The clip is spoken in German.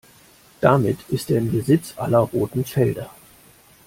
Damit ist er in Besitz aller roten Felder.